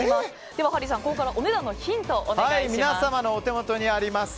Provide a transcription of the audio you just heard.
では、ハリーさんお値段のヒントをお願いします。